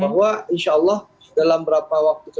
bahwa insya allah dalam berapa waktu ke depan